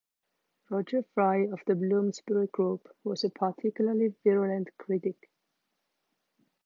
Roger Fry of the Bloomsbury Group was a particularly virulent critic.